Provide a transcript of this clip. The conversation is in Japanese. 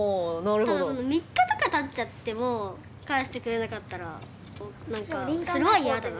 ただでも３日とかたっちゃっても帰してくれなかったら何かそれは嫌だな。